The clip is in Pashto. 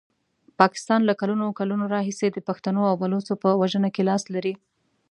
پاکستان له کلونو کلونو راهیسي د پښتنو او بلوڅو په وژنه کې لاس لري.